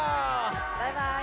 バイバイ。